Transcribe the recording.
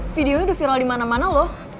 video udah viral dimana mana loh